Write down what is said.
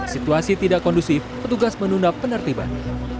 situasi tidak kondusif petugas menunda penertiban